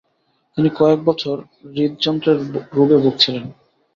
তিনি কয়েক বছর হৃদযন্ত্রের রোগে ভুগছিলেন।